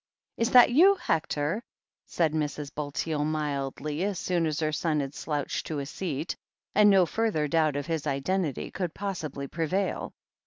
"Is that you, Hector?" said Mrs. Bulteel mildly, as soon as her son had slouched to a seat, and no further doubt of his identity could possibly prevail.